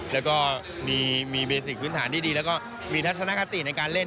แล้วก็มีเมสิกพื้นฐานที่ดีแล้วก็มีทัศนคติในการเล่น